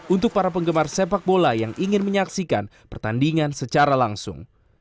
untuk para penggemar sepak bola yang ingin menyaksikan pertandingan secara langsung